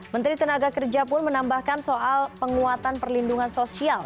menteri tenaga kerja pun menambahkan soal penguatan perlindungan sosial